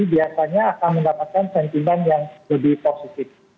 biasanya akan mendapatkan sentimen yang lebih positif